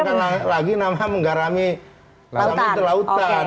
kalau saya omongkan lagi nama menggarami lautan